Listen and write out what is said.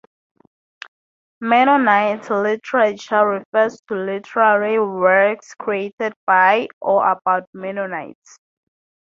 Mennonite literature refers to literary works created by or about Mennonites.